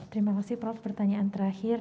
terima kasih prof pertanyaan terakhir